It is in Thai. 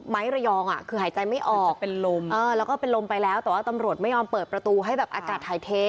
ไม้ระยองคือหายใจไม่ออกแล้วก็เป็นลมไปแล้วแต่ว่าตำรวจไม่ยอมเปิดประตูให้อากาศถ่ายเท